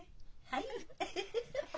はい。